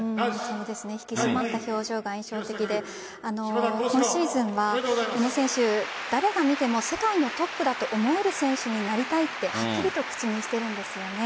引き締まった表情が印象的で今シーズンは宇野選手誰が見ても世界のトップだと思える選手になりたいとはっきりと口にしているんですよね。